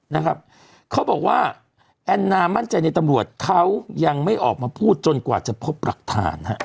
นะครับเขาบอกว่าแอนนามั่นใจในตำรวจเขายังไม่ออกมาพูดจนกว่าจะพบหลักฐานฮะ